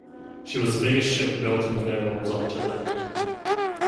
She was the biggest ship built in the Netherlands up to then.